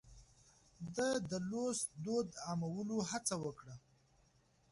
ده د لوست دود عامولو هڅه وکړه.